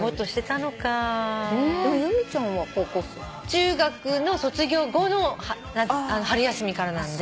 中学の卒業後の春休みからなんで。